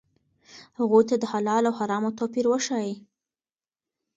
هغوی ته د حلال او حرامو توپیر وښایئ.